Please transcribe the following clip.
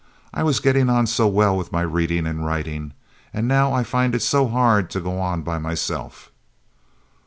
I was getting on so well with my reading and writing, and now I find it so hard to go on by myself."